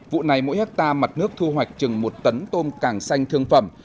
vụ này mỗi hectare mặt nước thu hoạch chừng một tấn tôm càng xanh thương phẩm